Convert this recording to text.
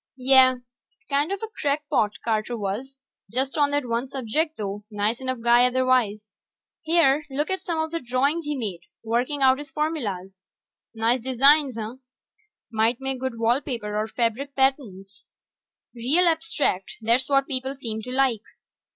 Yeh, kind of a crackpot, Carter was. Just on that one subject, though; nice enough guy otherwise. Here, look at some of the drawings he made, working out his formulas. Nice designs, huh? Might make good wall paper or fabric patterns. Real abstract ... that's what people seem to like.